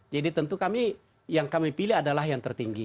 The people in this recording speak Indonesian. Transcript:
tentu kami yang kami pilih adalah yang tertinggi